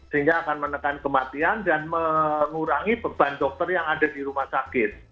sehingga akan menekan kematian dan mengurangi beban dokter yang ada di rumah sakit